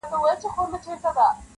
خپل مېړه يې خواږه خوب لره بلا سوه -